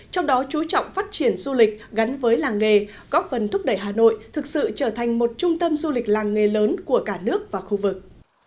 trong đó chú trọng phát triển du lịch gắn với làng nghề góp phần thúc đẩy hà nội thực sự trở thành một trung tâm du lịch làng nghề lớn của cả nước và khu vực